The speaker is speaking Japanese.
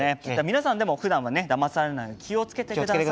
皆さんでもふだんはねだまされないように気を付けてください。